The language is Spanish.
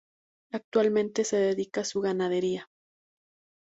Actualmente se dedica a su ganadería.